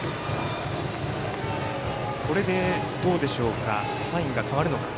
これでサインが変わるのか。